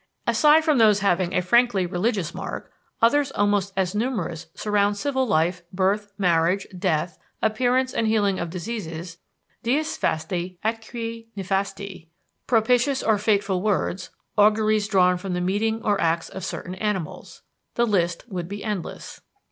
Aside from those having a frankly religious mark, others almost as numerous surround civil life, birth, marriage, death, appearance and healing of diseases, dies fasti atque nefasti, propitious or fateful words, auguries drawn from the meeting or acts of certain animals. The list would be endless.